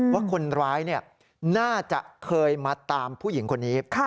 ว่าคนร้ายน่าจะเคยมาตามผู้หญิงคนนี้